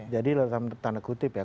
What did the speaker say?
jadi tanda kutip ya